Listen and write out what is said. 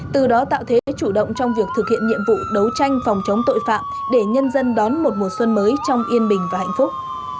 từ đó tạo thế chủ động trong việc thực hiện nhiệm vụ đấu tranh phòng chống tội phạm để nhân dân đón một mùa xuân mới trong yên bình và hạnh phúc